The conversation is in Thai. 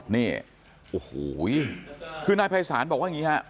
นี่โอ้โหคือนายภัยศาลบอกว่าอย่างนี้ฮะ